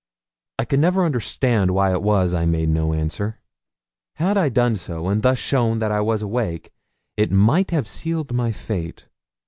I could never understand why it was I made no answer. Had I done so, and thus shown that I was awake, it might have sealed my fate.